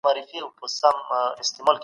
زه چوپ نه یم.